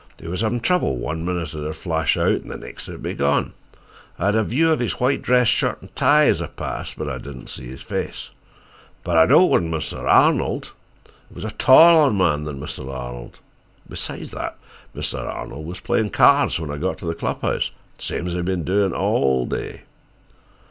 He was havin' trouble—one minute it'd flash out, an' the nex' it'd be gone. I hed a view of 'is white dress shirt an' tie, as I passed. I didn't see his face. But I know it warn't Mr. Arnold. It was a taller man than Mr. Arnold. Beside that, Mr. Arnold was playin' cards when I got to the club house, same's he'd been doin' all day."